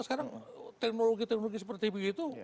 sekarang teknologi teknologi seperti begitu